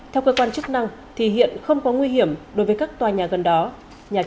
theo cơ quan chức năng thì hiện không có nguy hiểm đối với các tòa nhà gần đó nhà chức trách đã sơ tán người dân